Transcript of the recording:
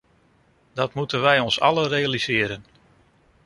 Dat moeten wij ons allen realiseren.